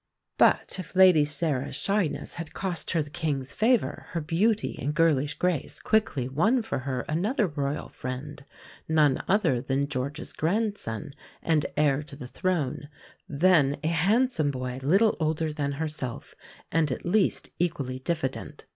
But if Lady Sarah's shyness had cost her the King's favour, her beauty and girlish grace quickly won for her another Royal friend none other than George's grandson and heir to the throne, then a handsome boy little older than herself, and at least equally diffident.